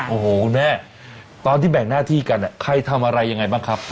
โอ้โหคุณแม่ตอนที่แบ่งหน้าที่กันใครทำอะไรยังไงบ้างครับ